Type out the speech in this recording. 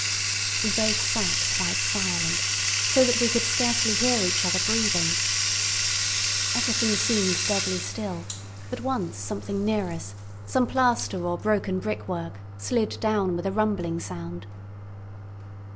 We both sat quite silent, so that we could scarcely hear each other breathing. Everything seemed deadly still, but once something near us, some plaster or broken brickwork, slid down with a rumbling sound.